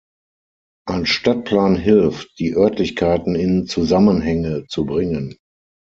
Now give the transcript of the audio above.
Ein Stadtplan hilft, die Örtlichkeiten in Zusammenhänge zu bringen.